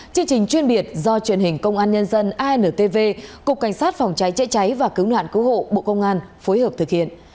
chương trình chuyên biệt do truyền hình công an nhân dân intv cục cảnh sát phòng cháy chữa cháy và cứu nạn cứu hộ bộ công an phối hợp thực hiện